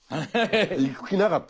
行く気なかった。